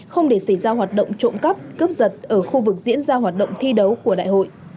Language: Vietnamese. không để xảy ra hoạt động trộm cắp cướp giật ở khu vực diễn ra hoạt động thi đấu của đại hội